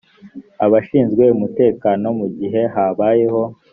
abashinzwe umutekano mu gihe habayeho